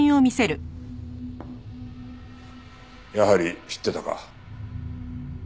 やはり知ってたか。